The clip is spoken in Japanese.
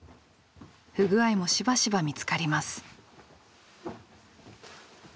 不具合もしばしば見つかります。